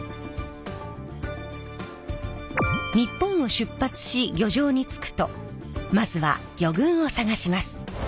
日本を出発し漁場に着くとまずは魚群を探します。